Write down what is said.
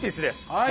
はい！